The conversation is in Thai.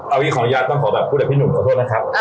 เอางี้ขออนุญาตต้องขอแบบพูดกับพี่หนุ่มขอโทษนะครับ